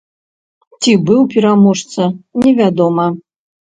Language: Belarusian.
Ці быў пераможца, невядома.